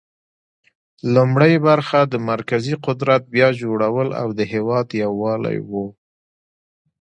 لومړۍ موخه د مرکزي قدرت بیا جوړول او د هیواد یووالی و.